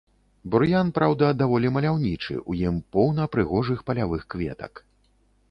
Бур'ян, праўда, даволі маляўнічы, у ім поўна прыгожых палявых кветак.